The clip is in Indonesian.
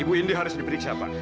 ibu ini harus diperiksa pak